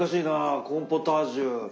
コーンポタージュ